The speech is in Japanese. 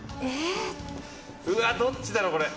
うわ、どっちだろう、これ。